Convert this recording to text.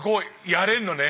やれんのね？